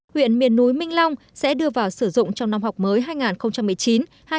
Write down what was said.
huyện miền núi minh long sẽ đưa vào sử dụng trong năm học mới hai nghìn một mươi chín hai nghìn hai mươi